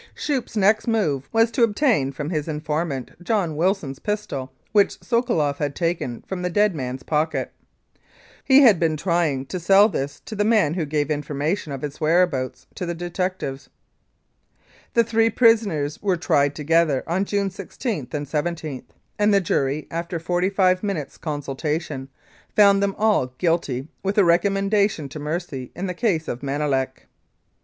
Schoeppe 's next move was to obtain from his in formant John Wilson's pistol, which Sokoloff had taken from the dead man's pocket. He had been trying to sell this to the man who gave information of his where abouts to the detective. The three prisoners were tried together on June 16 and 17, and the jury, after forty five minutes' consulta tion, found them all guilty, with a recommendation to mercy in the case of Manelek.